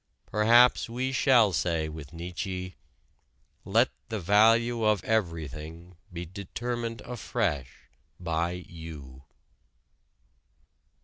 Perhaps we shall say with Nietzsche: "Let the value of everything be determined afresh by you."